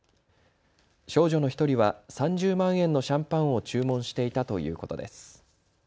少女の１人は３０万円のシャンパンを注文していたということです。